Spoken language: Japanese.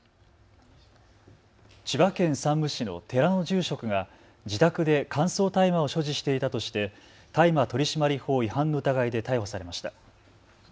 千葉県山武市の寺の住職が自宅で乾燥大麻を所持していたとして大麻取締法違反の疑いで逮捕されました。